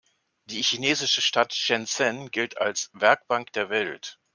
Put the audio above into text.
Die chinesische Stadt Shenzhen gilt als „Werkbank der Welt“.